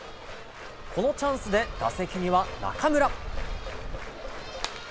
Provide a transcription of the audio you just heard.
このチャンスで打席には中村。